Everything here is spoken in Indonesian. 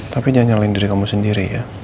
tapi jangan nyalahin diri kamu sendiri ya